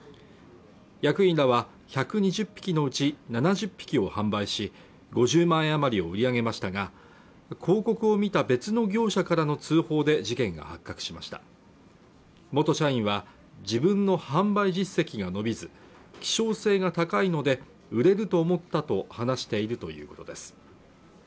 役員らは１２０匹のうち７０匹を販売し５０万円余りを売り上げましたが広告を見た別の業者からの通報で事件が発覚しました元社員は自分の販売実績が伸びず希少性が高いので売れると思ったと話しているということです